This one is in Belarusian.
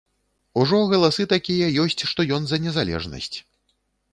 Ужо галасы такія ёсць, што ён за незалежнасць.